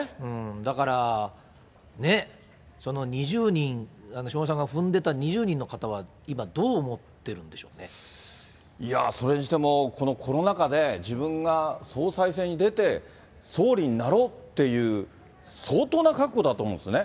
だから、ねっ、その２０人、下村さんが踏んでた２０人の方は、今、どう思いやぁ、それにしてもコロナ禍で、自分が総裁選に出て、総理になろうっていう、相当な覚悟だと思うんですよね。